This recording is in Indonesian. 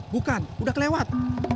bukan udah kelewat